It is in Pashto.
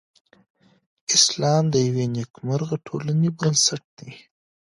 اسلام د یوې نېکمرغه ټولنې بنسټ دی.